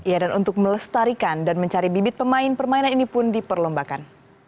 ya dan untuk melestarikan dan mencari bibit pemain permainan ini pun diperlombakan